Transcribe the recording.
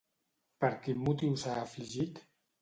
Per quin motiu s'ha afligit?